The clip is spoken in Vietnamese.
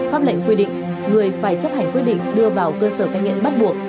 pháp lệnh quy định người phải chấp hành quyết định đưa vào cơ sở canh nghiện bắt buộc